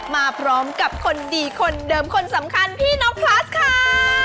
มาพร้อมกับคนดีคนเดิมคนสำคัญพี่น้องพลัสค่ะ